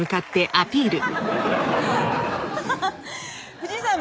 藤井さん